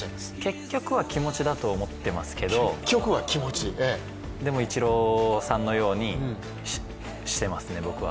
結局は気持ちだと思っていますけどでも、イチローさんのようにしてますね、僕は。